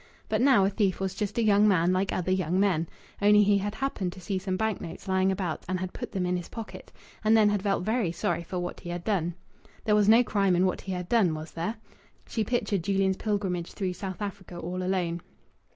But now a thief was just a young man like other young men only he had happened to see some bank notes lying about and had put them in his pocket and then had felt very sorry for what he had done. There was no crime in what he had done ... was there? She pictured Julian's pilgrimage through South Africa, all alone.